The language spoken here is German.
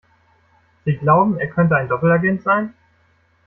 Sie glauben, er könnte ein Doppelagent sein?